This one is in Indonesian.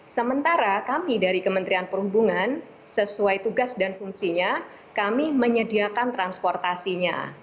sementara kami dari kementerian perhubungan sesuai tugas dan fungsinya kami menyediakan transportasinya